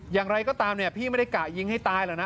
อย่างไรก็ตามเนี่ยพี่ไม่ได้กะยิงให้ตายหรอกนะ